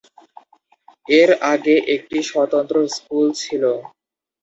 এটি আগে একটি স্বতন্ত্র স্কুল ছিল।